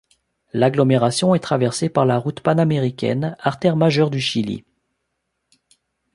L'agglomération est traversée par la route panaméricaine, artère majeure du Chili.